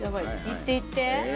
いっていって。